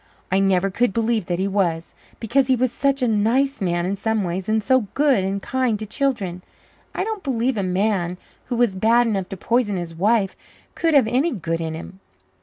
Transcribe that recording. I never could believe that he was, because he was such a nice man in some ways and so good and kind to children. I don't believe a man who was bad enough to poison his wife could have any good in him."